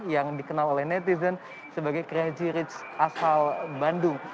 yang dikenal oleh netizen sebagai craji rich asal bandung